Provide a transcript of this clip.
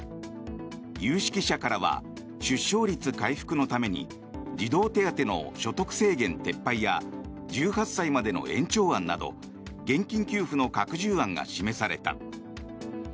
有識者からは出生率回復のために児童手当の所得制限撤廃や１８歳までの延長案など現金給付の拡充案が示された。